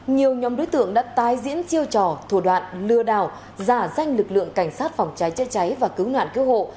nhiều nhóm đối tượng đã tái diễn chiêu trò thủ đoạn lừa đào giả danh lực lượng cảnh sát phòng trái chết cháy và cứu nạn cứu hộ